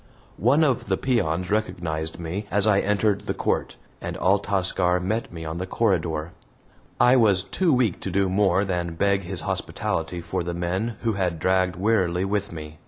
One of the peons recognized me as I entered the court, and Altascar met me on the corridor. I was too weak to do more than beg his hospitality for the men who had dragged wearily with me.